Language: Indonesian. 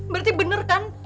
berarti bener kan